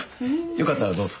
よかったらどうぞ。